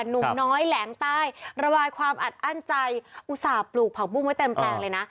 หนุ่มน้อยแหลงใต้ระบายความอัดอั้นใจอุตส่าห์ปลูกผักบุ้งไว้เต็มแปลงเลยนะ